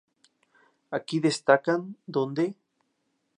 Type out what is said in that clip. Aquí destacan: ¿Dónde...?